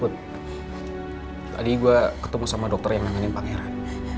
bud tadi gue ketemu sama dokter yang nanginin pangeran